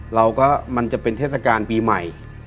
มันก็มันจะเป็นเทศกาลปีใหม่